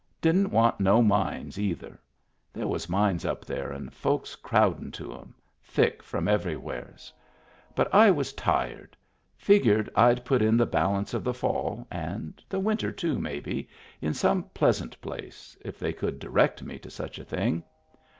Didn't want no mines either. There was mines up there and folks crowdin' to 'em, thick from every wheres. But I was tired. Figured I'd put in the balance of the fall — and the winter, too, maybe — in some pleasant place, if they could direct me to such a thing.